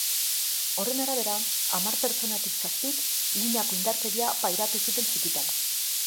Horren arabera, hamar pertsonatik zazpik lineako indarkeria pairatu zuten txikitan.